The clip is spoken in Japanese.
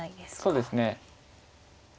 そうですね。